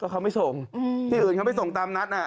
เขาไม่ส่งที่อื่นเขาไม่ส่งตามนัด